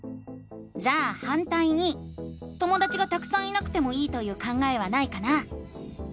じゃあ「反対に」ともだちがたくさんいなくてもいいという考えはないかな？